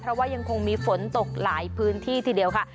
เพราะว่ายังคงมีฝนตกหลายพื้นที่ทีเดียวค่ะ